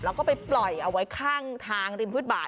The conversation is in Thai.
แล้วก็ไปปล่อยเอาไว้ข้างทางริมฟุตบาท